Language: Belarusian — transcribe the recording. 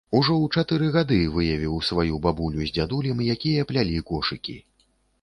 Ужо ў чатыры гады выявіў сваю бабулю з дзядулем, якія плялі кошыкі.